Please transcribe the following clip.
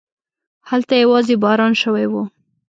هلته يواځې باران شوی و.